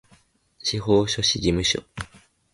司法書士事務所